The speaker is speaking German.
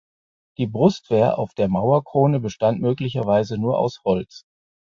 Die Brustwehr auf der Mauerkrone bestand möglicherweise nur aus Holz.